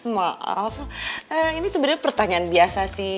maaf ini sebenarnya pertanyaan biasa sih